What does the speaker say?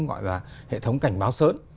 gọi là hệ thống cảnh báo sớm